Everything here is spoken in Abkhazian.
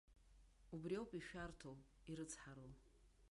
Убри ауп ишәарҭоу, ирыцҳароу.